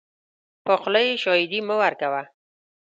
په خوله یې شاهدي مه ورکوه .